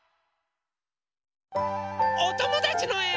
おともだちのえを。